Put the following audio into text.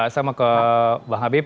sama ke bang habib